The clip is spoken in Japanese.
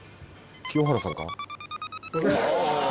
清原さんか？